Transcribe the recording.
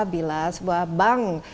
bila sebuah bank